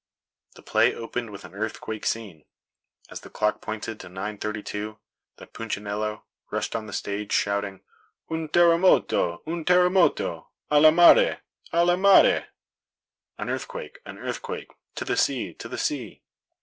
The play opened with an earthquake scene. As the clock pointed to 9:32, the Punchinello rushed on the stage, shouting, "Un terremoto! un terremoto! alla mare! alla mare!" (An earthquake! an earthquake! to the sea! to the sea!)